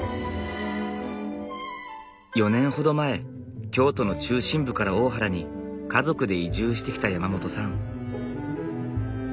４年ほど前京都の中心部から大原に家族で移住してきた山本さん。